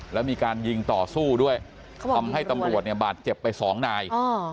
แล้วมีการยิงต่อสู้ด้วยทำให้ตำรวจเนี่ยบาดเจ็บไปสองนาย